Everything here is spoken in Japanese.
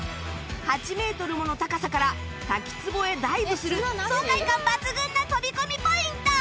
８メートルもの高さから滝つぼへダイブする爽快感抜群な飛び込みポイント